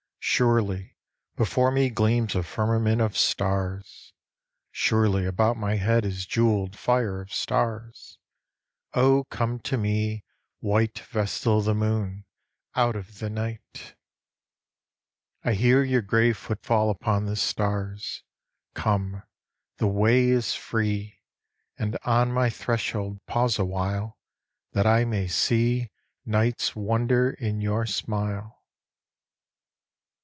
Surely before me gleams a firmament of stars ! Suroly about my head is jewelled fire of stars ! O come to me, white Vestal of the Moon, Out of the night. 51 E 2 Irf THE NET OF THE STARS I hoar your grave footfall upon the stars. Come ! the way is free, And on my threshold pause a while That I may see Night's wonder in your smile.